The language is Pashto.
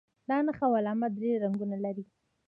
دا نښې او علامې درې رنګونه لري.